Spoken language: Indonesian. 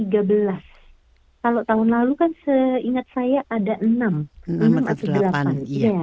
kalau tahun lalu kan seingat saya ada enam